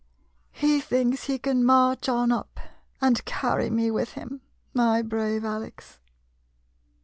He thinks he can march on up, and carry me with him, my brave Alex.